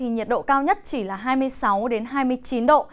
nhiệt độ cao nhất chỉ là hai mươi sáu hai mươi chín độ